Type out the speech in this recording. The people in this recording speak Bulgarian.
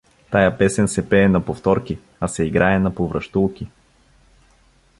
— Тая песен се пее на повторки, а се играе на повращулки!